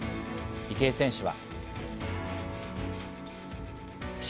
池江選手は。